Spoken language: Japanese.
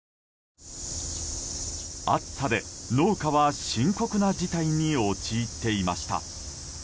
暑さで農家は深刻な事態に陥っていました。